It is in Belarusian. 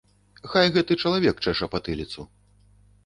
Хай гэты чалавек чэша патыліцу.